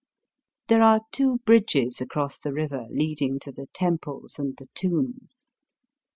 There are two bridges across the river lead^p ing to the temples and the tombs.